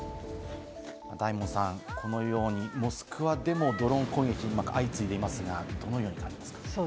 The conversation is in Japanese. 大門さん、このようにモスクワでもドローン攻撃、相次いでいますが、どのように感じていますか？